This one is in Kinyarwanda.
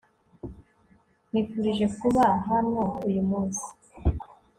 nkwifurije kuba hano uyu munsi